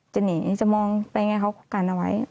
จะหนีจะมองไปไงเขาก็กันเอาไว้